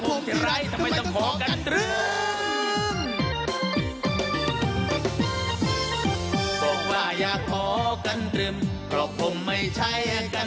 ชิคกี้พายน้ำแมสนี้น้ำแมวสาวทาว่าสวะสุราอุตะตุ้งสวนวาวาวาสุคลาละ